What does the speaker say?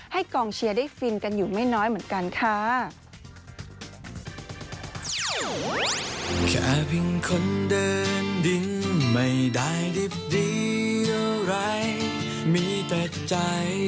กองเชียร์ได้ฟินกันอยู่ไม่น้อยเหมือนกันค่ะ